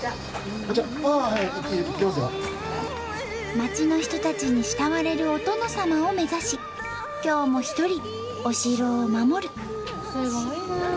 町の人たちに慕われるお殿様を目指し今日も一人お城を守る。